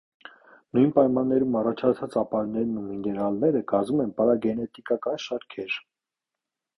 Նույն պայմաններում առաջացած ապարներն ու միներալները կազմում են պարագենետիկական շարքեր։